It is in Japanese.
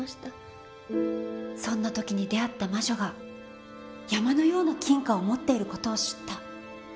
そんな時に出会った魔女が山のような金貨を持っている事を知った。